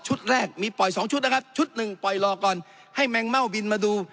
แรกมีปล่อยสองชุดนะครับชุดหนึ่งปล่อยรอก่อนให้แมงเม่าบินมาดู